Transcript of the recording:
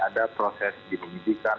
ada proses dimisikan